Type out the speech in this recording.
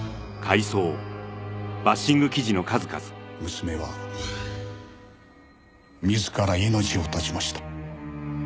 娘は自ら命を絶ちました。